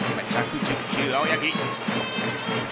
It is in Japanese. １１０球、青柳。